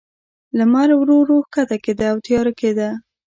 لمر ورو، ورو کښته کېده، او تیاره کېده.